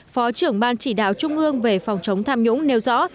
phó trưởng ban chỉ đạo trung ương về phòng chống tham nhũng nêu rõ